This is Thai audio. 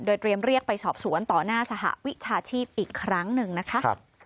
เตรียมเรียกไปสอบสวนต่อหน้าสหวิชาชีพอีกครั้งหนึ่งนะคะ